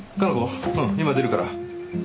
うん今出るから。